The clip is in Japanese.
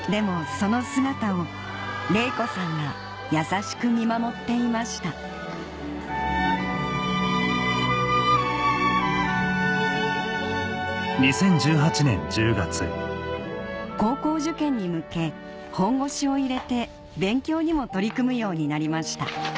その姿を玲子さんが優しく見守っていました高校受験に向け本腰を入れて勉強にも取り組むようになりました